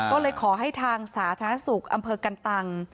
ก็เลยขอให้ทางสาธารณสุขอำเภอกันตัง